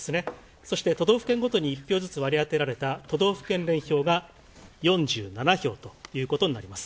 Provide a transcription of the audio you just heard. そして、都道府県ごとに１票ずつ割り当ててられた都道府県連票が４７票ということになります。